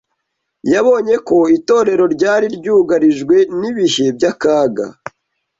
Yabonye ko Itorero ryari ryugarijwe n’ibihe by’akaga